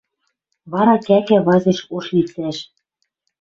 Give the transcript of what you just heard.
Вара кӓкӓ вазеш ош лицӓш.